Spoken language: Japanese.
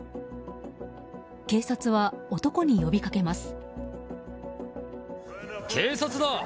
警察は男に呼びかけます。